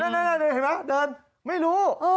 เห็นไหมเดินไม่รู้